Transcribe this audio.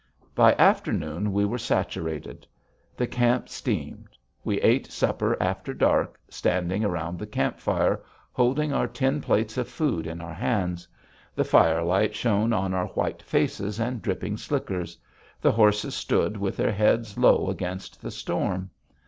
By afternoon, we were saturated; the camp steamed. We ate supper after dark, standing around the camp fire, holding our tin plates of food in our hands. The firelight shone on our white faces and dripping slickers. The horses stood with their heads low against the storm.